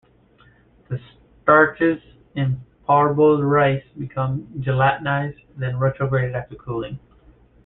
The starches in parboiled rice become gelatinized, then retrograded after cooling.